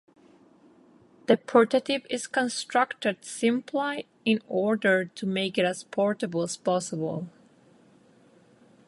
The portative is constructed simply in order to make it as portable as possible.